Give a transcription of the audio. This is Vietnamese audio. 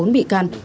bốn mươi bốn bị can